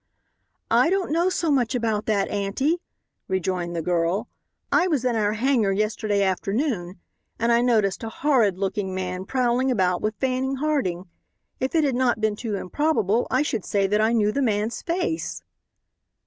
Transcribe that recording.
"I don't know so much about that, auntie," rejoined the girl. "I was in our hangar yesterday afternoon and I noticed a horrid looking man prowling about with Fanning Harding. If it had not been too improbable I should say that I knew the man's face."